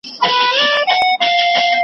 موږ چي ګورې یا خوړل یا الوتل وي .